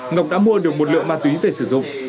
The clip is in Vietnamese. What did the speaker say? ngọc đã mua được một lượng ma túy về sử dụng